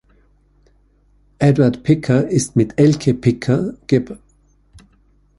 Eduard Picker ist mit Elke Picker, geb.